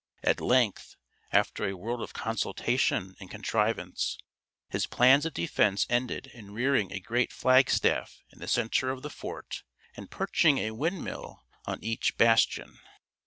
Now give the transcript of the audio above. At length, after a world of consultation and contrivance, his plans of defence ended in rearing a great flag staff in the center of the fort, and perching a windmill on each bastion.